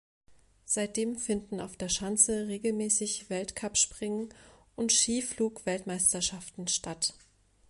Seitdem finden auf der Schanze regelmäßig Weltcup-Springen und Skiflug-Weltmeisterschaften statt.